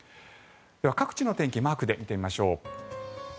各地の天気をマークで見てみましょう。